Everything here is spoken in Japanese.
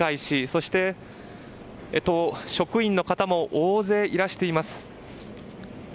そして、職員の方も大勢いらしています。